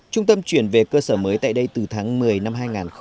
trung tâm chuyển về cơ sở mới tại đây từ tháng một mươi năm hai nghìn một mươi tám